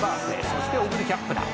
「そしてオグリキャップだ。